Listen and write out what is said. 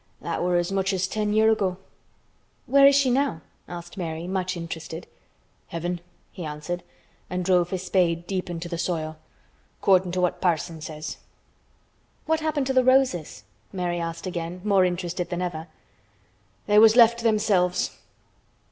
"That were as much as ten year' ago." "Where is she now?" asked Mary, much interested. "Heaven," he answered, and drove his spade deep into the soil, "'cording to what parson says." "What happened to the roses?" Mary asked again, more interested than ever. "They was left to themselves."